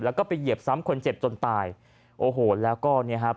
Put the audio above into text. แล้วก็ไปเหยียบซ้ำคนเจ็บจนตายโอ้โหแล้วก็เนี่ยครับ